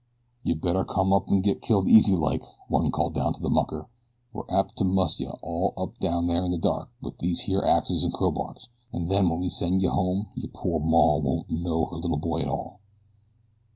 "Yeh better come up an' get killed easy like;" one called down to the mucker. "We're apt to muss yeh all up down there in the dark with these here axes and crowbars, an' then wen we send yeh home yer pore maw won't know her little boy at all."